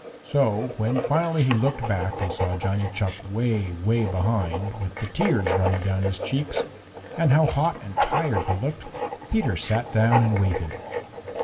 So when finally he looked back and saw Johnny Chuck way, way behind, with the tears running down his cheeks, and how hot and tired he looked, Peter sat down and waited.